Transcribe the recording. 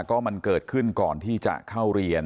ก็มันเกิดขึ้นก่อนที่จะเข้าเรียน